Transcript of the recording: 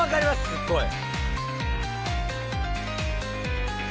すっごい。